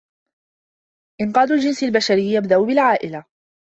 انقاذ الجنس البشري يبدأ بالعائلة.